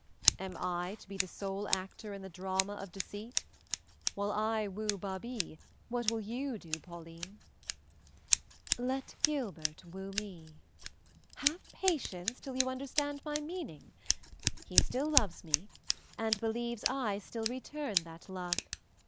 "Am I to be the sole actor in the drama of deceit? While I woo Babie, what will you do, Pauline?" "Let Gilbert woo me have patience till you understand my meaning; he still loves me and believes I still return that love.